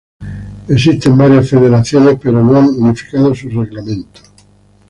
Existe varias federaciones, pero no han unificado sus reglamentos.